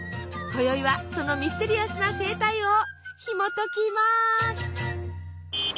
今宵はそのミステリアスな生態をひもときます。